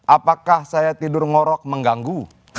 apakah saya tidur ngorok mengganggu